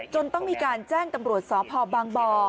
จนต้องมีการแจ้งตำรวจสพบ